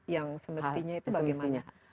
yang semestinya itu bagaimana